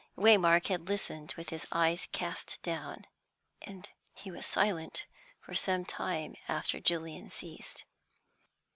Waymark had listened with his eyes cast down, and he was silent for some time after Julian ceased.